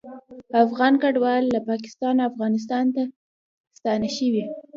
افغان کډوال له پاکستانه افغانستان ته ستانه شوي